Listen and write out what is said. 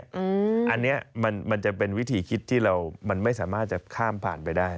อันนี้มันจะเป็นวิธีคิดที่เรามันไม่สามารถจะข้ามผ่านไปได้